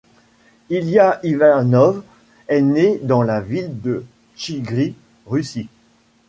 Ilia Ivanov est né dans la ville de Chtchigry Russie.